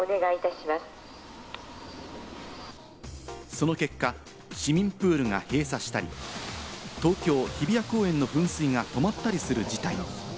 その結果、市民プールが閉鎖したり、東京・日比谷公園の噴水が止まったりする事態に。